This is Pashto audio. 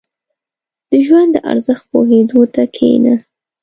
• د ژوند د ارزښت پوهېدو ته کښېنه.